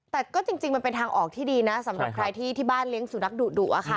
แต่ก็จริงมันเป็นทางออกที่ดีนะสำหรับใครที่บ้านเลี้ยงสุนัขดุอะค่ะ